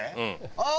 ああ！